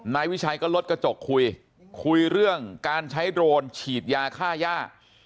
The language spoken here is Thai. นายวิชัยก็ลดกระจกคุยคุยคุยเรื่องการใช้โดรนฉีดยาฆ่าย่า